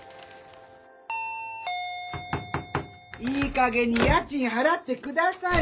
・いいかげんに家賃払ってくださいよ！